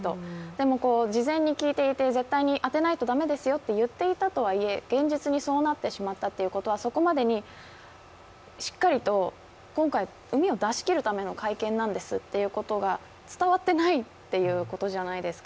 でも、事前に聞いていて、絶対に当てないと駄目ですよと言っていたとはいえ、現実にそうなってしまったということはそこまでにしっかりと、今回うみを出し切るための会見なんですって伝わってないっていうことじゃないですか。